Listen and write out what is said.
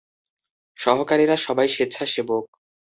সহকারীরা সবাই স্বেচ্ছাসেবক।